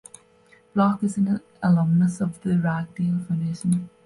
Block is an alumnus of the Ragdale Foundation.